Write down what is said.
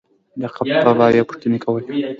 د قبر په باب یې پوښتنې کولې.